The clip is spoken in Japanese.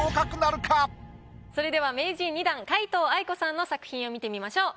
それでは名人２段皆藤愛子さんの作品を見てみましょう。